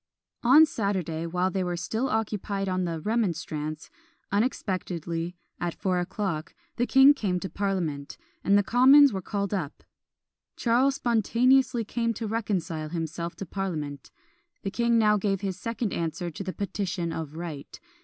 On Saturday, while they were still occupied on the "Remonstrance," unexpectedly, at four o'clock, the king came to parliament, and the commons were called up. Charles spontaneously came to reconcile himself to parliament. The king now gave his second answer to the "Petition of Right."